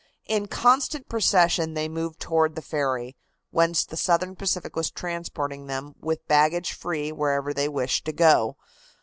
In constant procession they moved toward the ferry, whence the Southern Pacific was transporting them with baggage free wherever they wished to go.